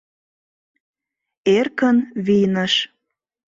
Эркын вийныш.